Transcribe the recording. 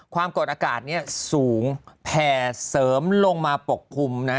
ความกดอากาศสูงแผ่เสริมลงมาปกคลุมนะฮะ